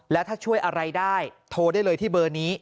แล้วถ้าช่วยอะไรได้โทรได้เลยที่เบอร์นี้